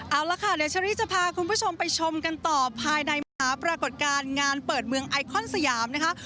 เอาละค่ะเดี๋ยวเชอรี่จะพาคุณผู้ชมไปชมกันต่อภายในมหาปรากฏการณ์งานเปิดเมืองไอคอนสยามนะคะ